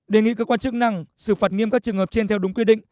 đề nghị cơ quan chức năng xử phạt nghiêm các trường hợp trên theo đúng quy định